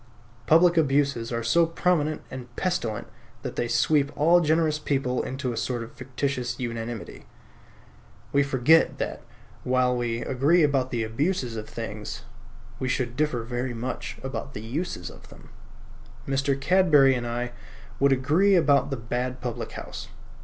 Public abuses are so prominent and pestilent that they sweep all generous people into a sort of fictitious unanimity. We forget that, while we agree about the abuses of things, we should differ very much about the uses of them. Mr. Cadbury and I would agree about the bad public house.